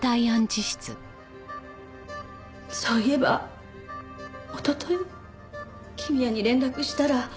そういえばおととい公也に連絡したら。